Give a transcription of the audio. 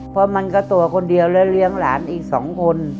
เพราะมันก็ตัวคนเดียวแล้วเลี้ยงหลานอีก๒คน